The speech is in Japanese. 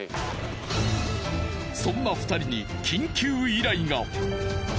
そんな２人に緊急依頼が。